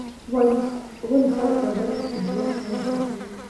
ولې خلک په ډلو کې ژوند کول خوښوي؟